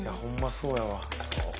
そうやわ。